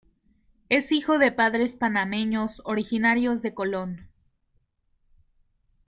Es hijo de padres panameños, originarios de Colón.